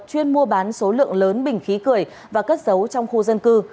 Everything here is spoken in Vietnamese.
chuyên mua bán số lượng lớn bình khí cười và cất giấu trong khu dân cư